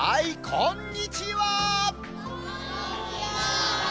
こんにちは。